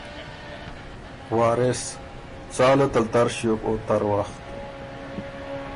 وارث: څالت ال تر ݭیوک او تر وخت